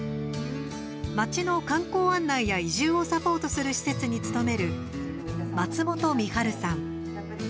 町の観光案内や移住をサポートする施設に勤める松本みはるさん。